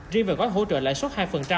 riêng về gói hỗ trợ lãi suất hai